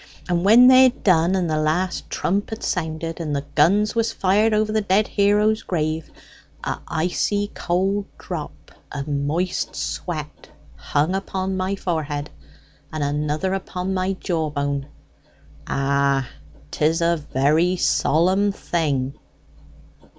And when they had done, and the last trump had sounded, and the guns was fired over the dead hero's grave, a' icy cold drop o' moist sweat hung upon my forehead, and another upon my jawbone. Ah, 'tis a very solemn thing!"